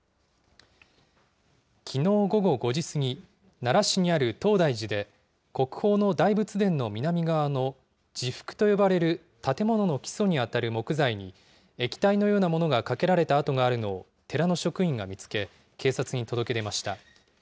きのう午後５時過ぎ、奈良市にある東大寺で、国宝の大仏殿の南側の地覆と呼ばれる建物の基礎に当たる木材に、液体のようなものがかけられた跡があるのを寺の職員が見つけ、警察に届け出ました。